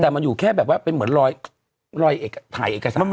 แต่มันอยู่แค่แบบว่าเป็นเหมือนรอยถ่ายเอกสาร